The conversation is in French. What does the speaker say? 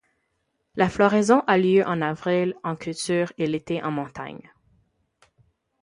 La floraison a lieu en avril en culture et l'été en montagne.